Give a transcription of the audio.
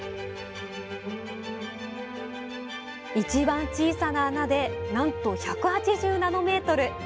一番小さな穴でなんと１８０ナノメートル。